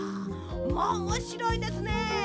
まあおもしろいですね。